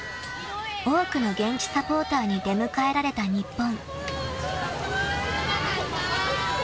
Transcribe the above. ［多くの現地サポーターに出迎えられた日本］